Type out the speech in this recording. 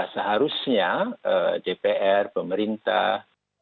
seharusnya dpr pemerintah